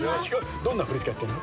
どんな振り付けやってんの？